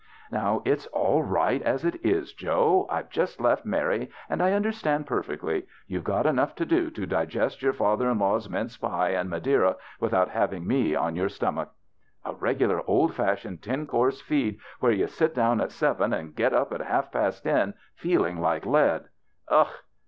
"Now, it's all right as it is, Joe. I've just left Mary, and I understand perfectly. You've got enough to do to digest your father in law's mince pie and Madeira without having me on your stomach." "A regular old fashioned ten course feed, where you sit doAvn at seven and get up at half past ten feeling like lead. Ugh!